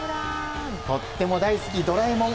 とっても大好きドラえもん。